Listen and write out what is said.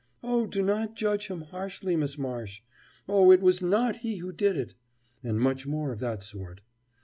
Oh, do not judge him harshly, Miss Marsh! Oh, it was not he who did it!' and much more of that sort.